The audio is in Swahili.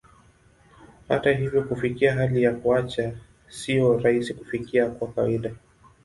Hata hivyo, kufikia hali ya kuacha sio rahisi kufikia kwa kawaida.